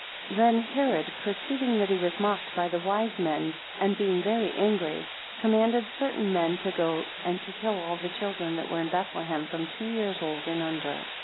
THEN Herod perceiving that he was mocked by the wise men, and being very angry, commanded certain men to go and to kill all the children that were in Bethlehem, from two years old and under.